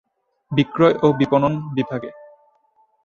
বিক্রয় ও বিপণন বিভাগে।